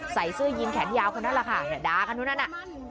ใส่เสื้อยินแขนยาวคนนั้นแหละค่ะดากันเท่านั้นน่ะ